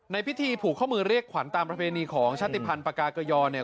ในพิธีผูกเข้ามือเรียกขวัญตามประเภนีของชัตติฟันปากากเกยอ